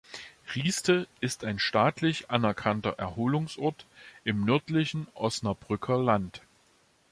Rieste ist ein staatlich anerkannter Erholungsort im nördlichen Osnabrücker Land.